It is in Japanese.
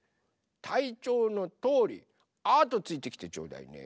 たいちょうのとおりあとついてきてちょうだいね。